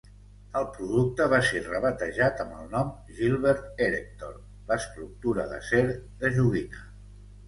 El producte va ser rebatejat amb el nom "Gilbert Erector, L'estructura d'acer de joguina".